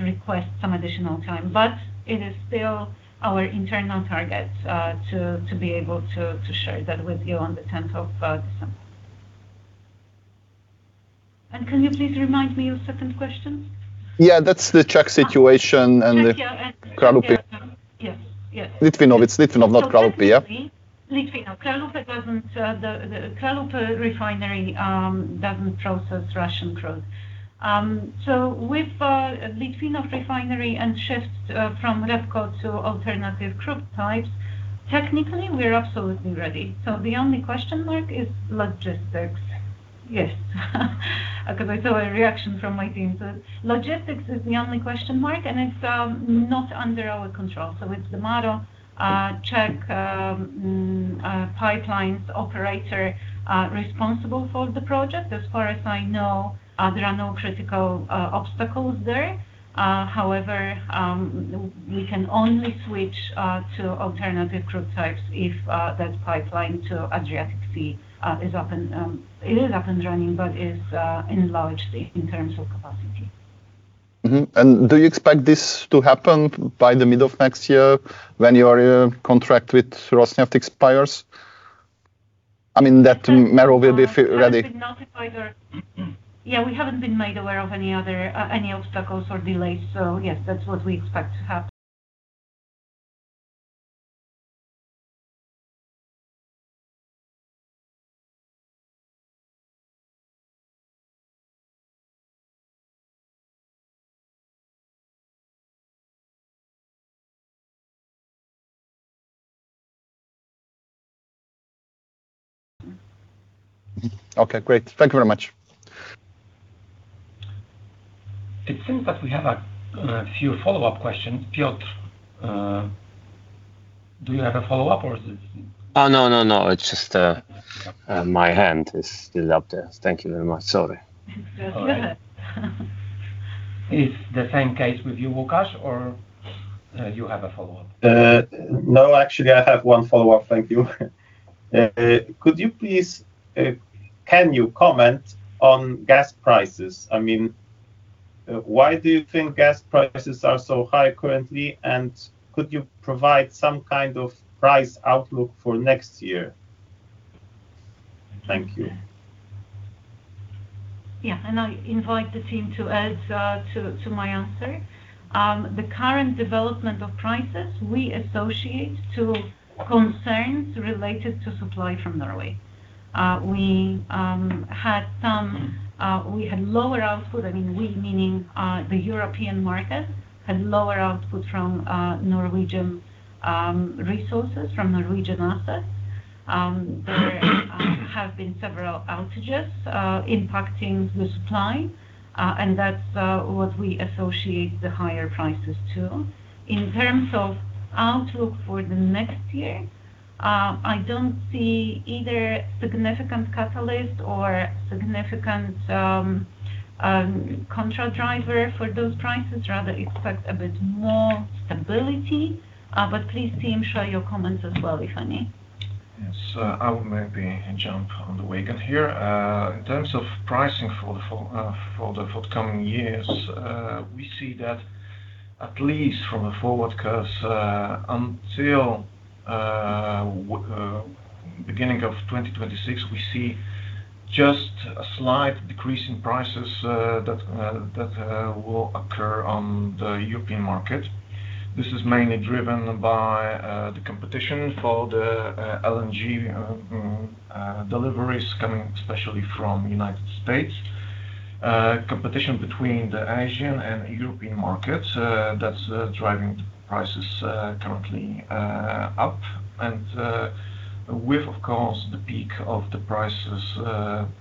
request some additional time, but it is still our internal target to be able to share that with you on the 10th of December. And can you please remind me your second question? Yeah, that's the Czech situation and the- Czech, yeah, and- Kralupy. Yes. Yes. Litvinov. It's Litvinov, not Kralupy, yeah? Litvinov. Kralupy doesn't, the, the. Kralupy refinery doesn't process Russian crude. With Litvinov Refinery and shift from REBCO to alternative crude types, technically, we're absolutely ready. The only question mark is logistics. Yes. Because I saw a reaction from my team. Logistics is the only question mark, and it's not under our control. It's the model, Czech pipelines operator, responsible for the project. As far as I know, there are no critical obstacles there. However, we can only switch to alternative crude types if that pipeline to Adriatic Sea is up and it is up and running, but is enlarged in terms of capacity. Mm-hmm. And do you expect this to happen by the middle of next year when your contract with Rosneft expires? I mean, that MERO will be ready. Yeah, we haven't been made aware of any other, any obstacles or delays. So yes, that's what we expect to happen. Okay, great. Thank you very much. It seems that we have a few follow-up questions. Piotr, do you have a follow-up or is it- No, no, no, it's just, my hand is still up there. Thank you very much. Sorry. It's the same case with you, Łukasz, or you have a follow-up? No, actually, I have one follow-up. Thank you. Could you please, can you comment on gas prices? I mean, why do you think gas prices are so high currently, and could you provide some kind of price outlook for next year? Thank you. Yeah, and I invite the team to add to my answer. The current development of prices, we associate to concerns related to supply from Norway. We had lower output, I mean, we meaning the European market, had lower output from Norwegian resources, from Norwegian assets. There have been several outages impacting the supply, and that's what we associate the higher prices to. In terms of outlook for the next year, I don't see either significant catalyst or significant contra driver for those prices. Rather, expect a bit more stability, but please, team, share your comments as well, if any. Yes. I will maybe jump on the wagon here. In terms of pricing for the forthcoming years, we see that at least from a forward curve, until beginning of 2026, we see just a slight decrease in prices that will occur on the European market. This is mainly driven by the competition for the LNG deliveries coming especially from United States. Competition between the Asian and European markets, that's driving the prices currently up, and. With, of course, the peak of the prices,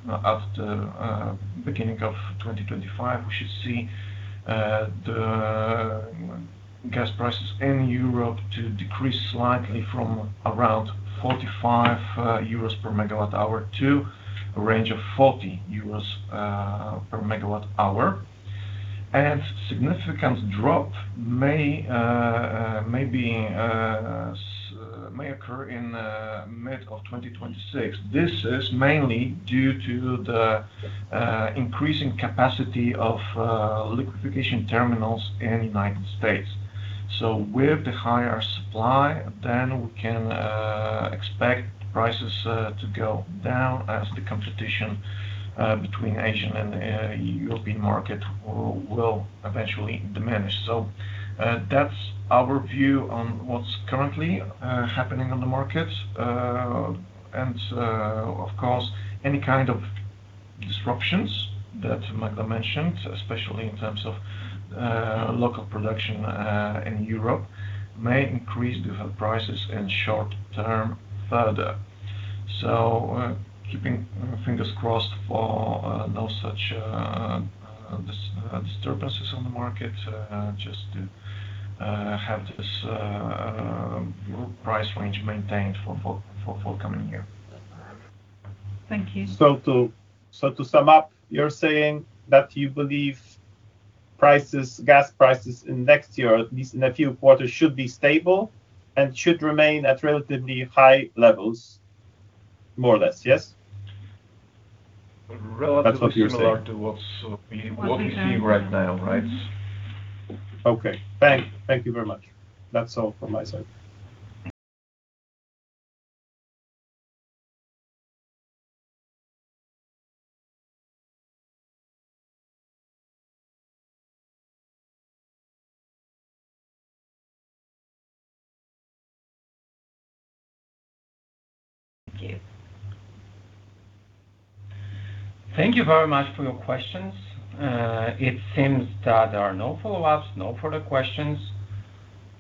after beginning of 2025, we should see the gas prices in Europe to decrease slightly from around 45 euros per megawatt hour to a range of 40 euros per megawatt hour. Significant drop may occur in mid-2026. This is mainly due to the increasing capacity of liquefaction terminals in United States. So with the higher supply, then we can expect prices to go down as the competition between Asian and European market will eventually diminish. So, that's our view on what's currently happening on the market. And, of course, any kind of disruptions that Magda mentioned, especially in terms of local production in Europe, may increase the prices in short term further. So, keeping our fingers crossed for no such disturbances on the market, just to have this price range maintained for coming year. Thank you. So to sum up, you're saying that you believe prices, gas prices in next year, at least in a few quarters, should be stable and should remain at relatively high levels, more or less, yes? Relatively- That's what you're saying. Similar to what, what we see right now, right? Mm-hmm. Okay. Thank you very much. That's all from my side. Thank you. Thank you very much for your questions. It seems that there are no follow-ups, no further questions.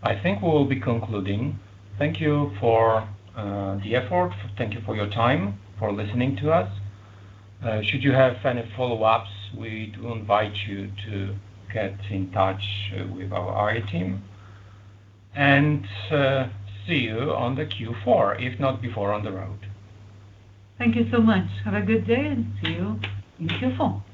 I think we will be concluding. Thank you for the effort. Thank you for your time, for listening to us. Should you have any follow-ups, we do invite you to get in touch with our team, and see you on the Q4, if not before on the road. Thank you so much. Have a good day, and see you in Q4. Thank you.